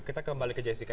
kita kembali ke jessica